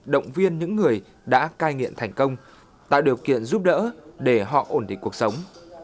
động viên những người đã cai nghiện thành công tạo điều kiện giúp đỡ để họ ổn định cuộc sống